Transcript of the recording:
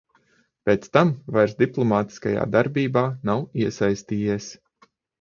Pēc tam vairs diplomātiskajā darbībā nav iesaistījies.